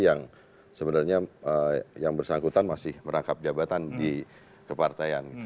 yang sebenarnya yang bersangkutan masih merangkap jabatan di kepartaian